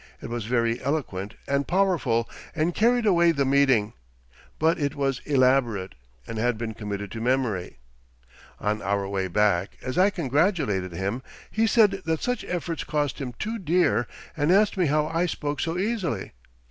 It was very eloquent and powerful, and carried away the meeting, but it was elaborate, and had been committed to memory. On our way back, as I congratulated him, he said that such efforts cost him too dear, and asked me how I spoke so easily.